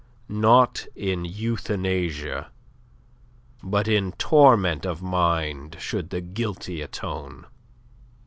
Not in euthanasia, but in torment of mind should the guilty atone.